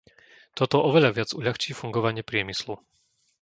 Toto oveľa viac uľahčí fungovanie priemyslu.